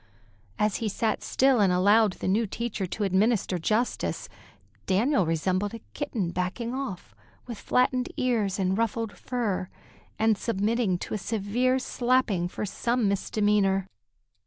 As he sat still and allowed the new teacher to administer justice, Daniel resembled a kitten backing off, with flattened ears and ruffled fur, and submitting to a severe slapping for some misdemeanor.